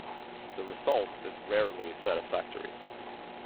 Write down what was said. The result is rarely satisfactory.